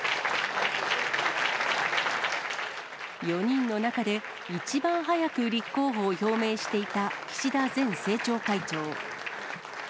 ４人の中で一番早く立候補を表明していた岸田前政調会長。